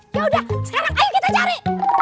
ya udah sekarang ayo kita cari